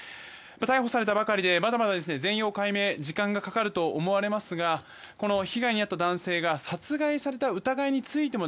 逮捕されたばかりでまだまだ全容解明には時間がかかると思われますが被害に遭った男性が殺害された疑いについても